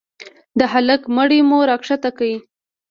د هلك مړى مو راکښته کړ.